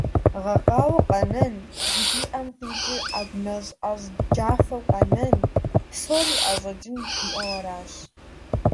«Гъэкъауэ къэнэн» жыхуиӏэм къикӏыр Ӏэгу нэщӀ ӀэщӀ джафэу къэнэн, псори ӀэщӀэкӀын жиӏэу аращ.